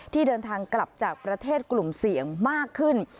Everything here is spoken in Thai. เดินทางกลับจากประเทศกลุ่มเสี่ยงมากขึ้น